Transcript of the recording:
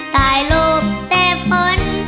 ได้ลูกแต่ฝน